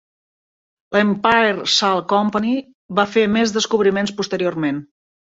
L'Empire Salt Company va fer més descobriments posteriorment.